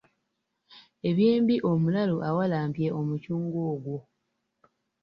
Eby'embi omulalu awalampye omucungwa ogwo.